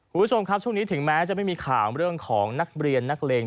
คุณผู้ชมครับช่วงนี้ถึงแม้จะไม่มีข่าวเรื่องของนักเรียนนักเลง